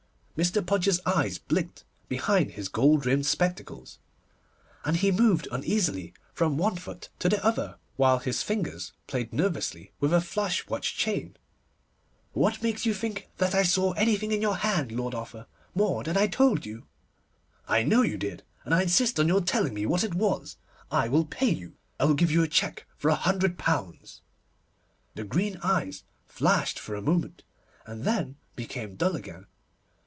Mr. Podgers's eyes blinked behind his gold rimmed spectacles, and he moved uneasily from one foot to the other, while his fingers played nervously with a flash watch chain. 'What makes you think that I saw anything in your hand, Lord Arthur, more than I told you?' 'I know you did, and I insist on your telling me what it was. I will pay you. I will give you a cheque for a hundred pounds.' The green eyes flashed for a moment, and then became dull again.